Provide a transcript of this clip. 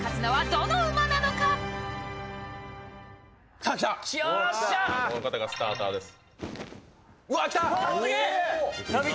この方がスターターです。